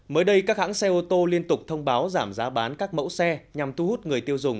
mới đây các hãng xe ô tô liên tục thông báo giảm giá bán các mẫu xe nhằm thu hút người tiêu dùng